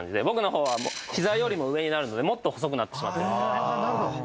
僕のほうは膝よりも上になるのでもっと細くなってしまってる。